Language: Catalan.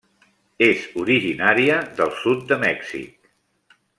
És originària del sud de Mèxic.